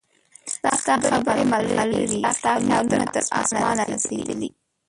ستا خبرې مرغلرې ستا خیالونه تر اسمانه رسیدلي